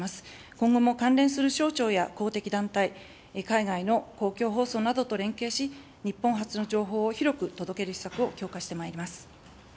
今後も、関連する省庁や公的団体、海外の公共放送などと連携し、日本発の情報を広く届ける施策を強化してまいります。